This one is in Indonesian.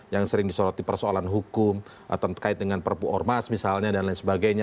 yang sering disoroti persoalan hukum terkait dengan perpu ormas misalnya dan lain sebagainya